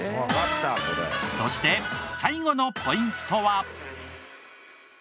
そして最後のポイントは。